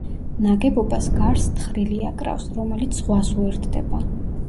ნაგებობას გარს თხრილი აკრავს, რომელიც ზღვას უერთდება.